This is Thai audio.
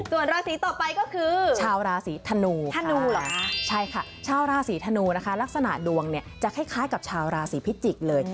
ส่วนราศีต่อไปก็คือชาวราศีธนูธนูเหรอคะใช่ค่ะชาวราศีธนูนะคะลักษณะดวงเนี่ยจะคล้ายกับชาวราศีพิจิกษ์เลย